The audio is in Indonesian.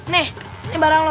nih ini barang lu